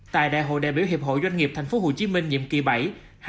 tại đại hội đại biểu hiệp hội doanh nghiệp tp hcm nhiệm kỳ bảy